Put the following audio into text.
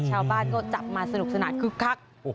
ชาวบ้านก็จับมาสนุกสนานคึกคัก